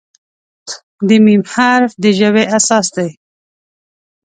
د "م" حرف د ژبې اساس دی.